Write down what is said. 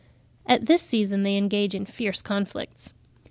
At this season they engage in fierce conflicts.